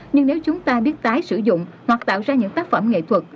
nhưng nếu chúng ta biết tái sử dụng hoặc tạo ra những tác phẩm nghệ thuật